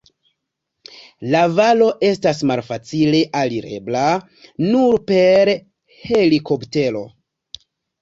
La valo estas malfacile alirebla, nur per helikoptero.